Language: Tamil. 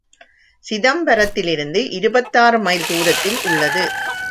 சிதம்பரத்திலிருந்து இருபத்தாறு மைல் தூரத்தில் உள்ளது.